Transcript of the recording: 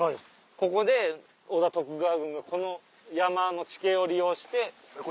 ここで織田・徳川軍がこの山の地形を利用して。